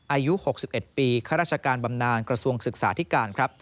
อายุ๖๑ปีข้าราชการบำนานกระทรวงศึกษาธิการครับ